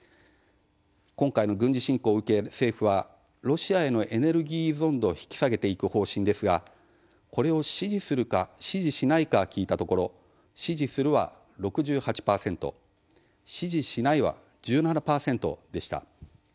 今回の軍事侵攻を受け、政府はロシアへのエネルギー依存度を引き下げていく方針ですがこれを支持するか、支持しないか聞いたところ「支持する」は６８％「支持しない」は１７％でした。